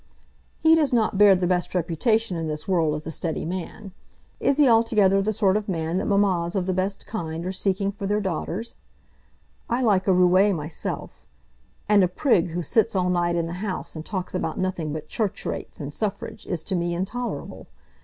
"He does not bear the best reputation in this world as a steady man. Is he altogether the sort of man that mammas of the best kind are seeking for their daughters? I like a roué myself; and a prig who sits all night in the House, and talks about nothing but church rates and suffrage, is to me intolerable.